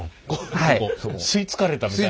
吸い付かれたみたいな。